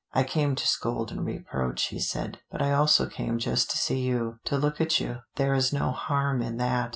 "I came to scold and reproach," he said, "but I also came just to see you, to look at you. There is no harm in that.